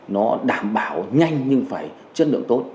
nó đảm bảo nhanh nhưng phải chất lượng tốt